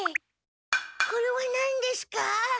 これは何ですか？